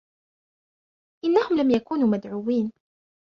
إنهم لم يكونوا مدعويين.